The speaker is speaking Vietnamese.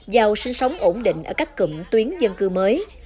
giàu sinh sống ổn định ở các cụm tuyến dân cư mới